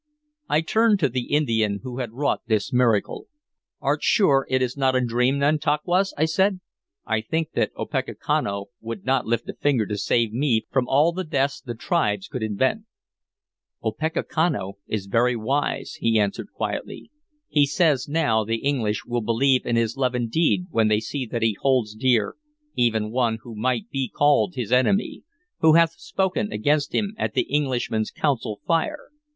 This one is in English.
I turned to the Indian who had wrought this miracle. "Art sure it is not a dream, Nantauquas?" I said. "I think that Opechancanough would not lift a finger to save me from all the deaths the tribes could invent." "Opechancanough is very wise," he answered quietly. "He says that now the English will believe in his love indeed when they see that he holds dear even one who might be called his enemy, who hath spoken against him at the Englishmen's council fire.